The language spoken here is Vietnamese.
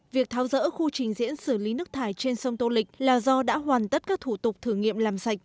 việc tháo rỡ khu trình diễn xử lý nước thải trên sông tô lịch là do đã hoàn tất các thủ tục thử nghiệm làm sạch